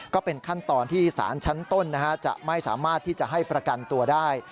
ก็เป็นขั้นตอนที่สารชั้นต้นจะไม่สามารถที่จะให้ประกันตัวได้